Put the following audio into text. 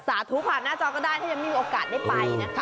สาธุผ่านหน้าจองก็ได้ที่จะมีโอกาสได้ไปนะคะ